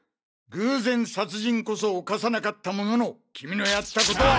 偶然殺人こそ犯さなかったもののキミのやった事は。